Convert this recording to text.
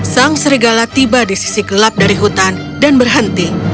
sang serigala tiba di sisi gelap dari hutan dan berhenti